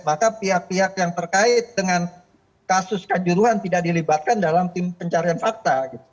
maka pihak pihak yang terkait dengan kasus kanjuruhan tidak dilibatkan dalam tim pencarian fakta